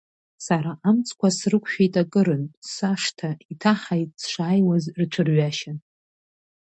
Сара амцқәа срықәшәеит акырынтә, сашҭа иҭаҳаит, сшааиуаз, рҽырҩашьан.